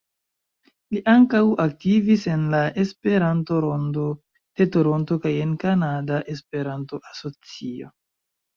Li ankaŭ aktivis en la Esperanto-Rondo de Toronto kaj en Kanada Esperanto-Asocio.